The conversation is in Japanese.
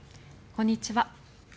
こんにちは。